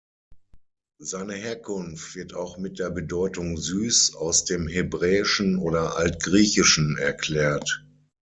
Seine Herkunft wird auch mit der Bedeutung "süß" aus dem Hebräischen oder Altgriechischen erklärt.